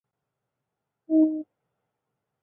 田道间守是之始祖。